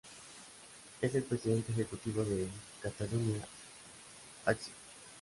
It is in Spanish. Es el presidente ejecutivo de Catalunya Acció.